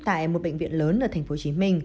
tại một bệnh viện lớn ở tp hcm